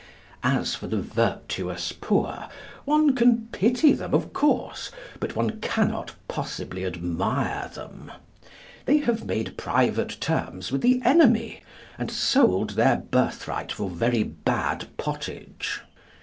As for the virtuous poor, one can pity them, of course, but one cannot possibly admire them. They have made private terms with the enemy, and sold their birthright for very bad pottage.